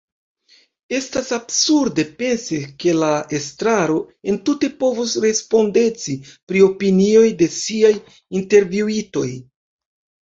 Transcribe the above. Estas absurde pensi ke la estraro entute povus respondeci pri opinioj de “siaj” intervjuitoj.